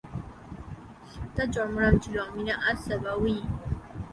তার জন্মনাম ছিল আমিনা আস-সাবাউই।